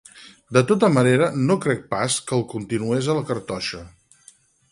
De tota manera, no crec pas que el continués a la cartoixa.